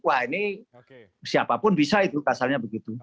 wah ini siapapun bisa itu pasalnya begitu